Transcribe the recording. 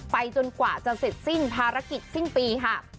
จนกว่าจะเสร็จสิ้นภารกิจสิ้นปีค่ะ